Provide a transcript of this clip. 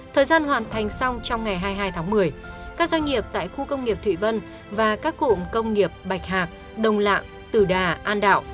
thời gian hoàn thành xong trong ngày hai mươi hai tháng một mươi các doanh nghiệp tại khu công nghiệp thụy vân và các cụm công nghiệp bạch hạc đồng lạng tử đà an đạo